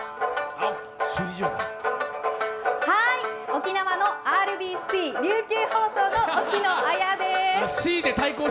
沖縄のＲＢＣ琉球放送の沖野綾亜です。